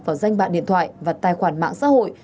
vào danh bạc điện thoại và tài khoản mạng xã hội